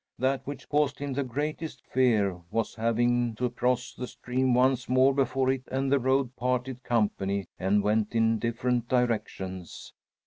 That which caused him the greatest fear was having to cross the stream once more before it and the road parted company and went in different directions.